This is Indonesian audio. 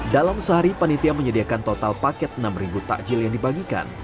dalam sehari panitia menyediakan total paket enam ribu takjil yang dibagikan